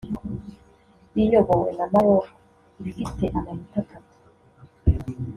riyobowe na Maroc ifite amanota atatu